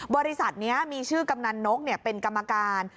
บริษัทนี้มีชื่อกำนันนกเป็นกรรมการ